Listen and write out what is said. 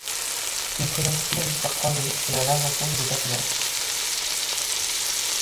Il présente plusieurs histoires croisées et un large ensemble de personnages.